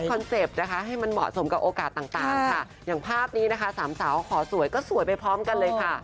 โอกาสต่างค่ะอย่างภาพนี้นะคะสามสาวขอสวยก็สวยไปพร้อมกันเลยค่ะ